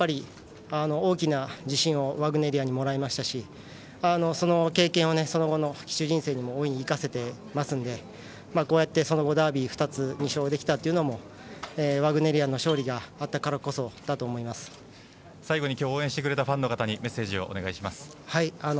大きな自信をワグネリアンにもらいましたしその経験を、その後の騎手人生にも大いに生かせてませんでその後ダービーを２つ、２勝利できたのはワグネリアンの勝利が最後に応援してくれたファンの方にメッセージをお願いします。